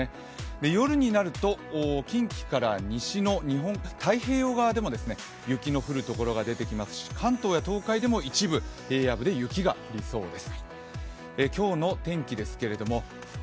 夜になると近畿から西の太平洋側でも雪の降る所が出てきますし、関東や東海でも一部、平野部で雪が降りそうです。